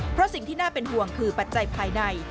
เพราะสิ่งที่น่าเป็นห่วงคือปัจจัยภายใน